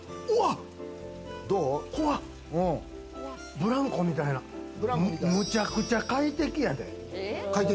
ブランコみたいな、むちゃくちゃ快適やで。